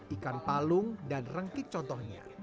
ikan palung dan rengkik contohnya